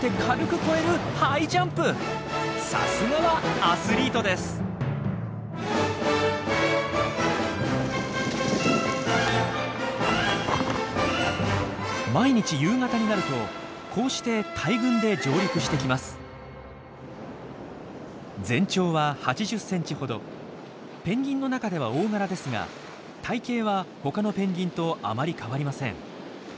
ペンギンの中では大柄ですが体形はほかのペンギンとあまり変わりません。